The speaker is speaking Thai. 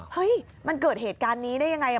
เฮ้ยมันเกิดเหตุการณ์นี้ได้ยังไง